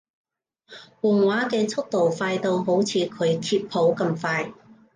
換畫嘅速度快到好似佢揭譜咁快